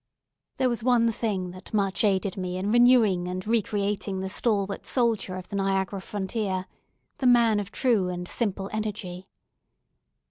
There was one thing that much aided me in renewing and re creating the stalwart soldier of the Niagara frontier—the man of true and simple energy.